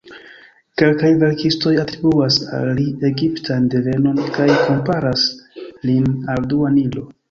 Kelkaj verkistoj atribuas al li egiptan devenon, kaj komparas lin al dua Nilo.